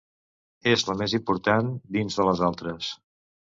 És la més important dins de les altres.